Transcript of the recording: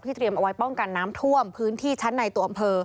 เตรียมเอาไว้ป้องกันน้ำท่วมพื้นที่ชั้นในตัวอำเภอ